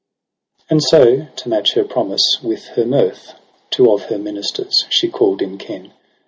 And so, to match her promise with her mirth. Two of her ministers she call'd in ken.